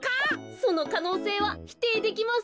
そのかのうせいはひていできません。